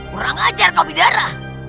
kurang ajar kau bidara